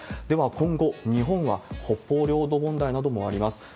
では今後、日本は北方領土問題などもあります。